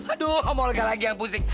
aduh om olga lagi yang pusing